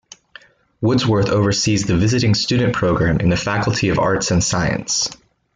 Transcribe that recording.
Woodsworth oversees the Visiting Student Program in the Faculty of Arts and Science.